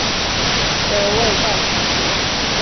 则位在此区。